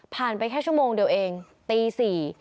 ผ่านไปแค่ชั่วโมงเดียวเองตี๔